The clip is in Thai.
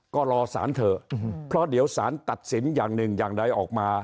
ก็รอสารเถอะเพราะเดี๋ยวสารตัดสินอย่างหนึ่งอย่างใดออกมา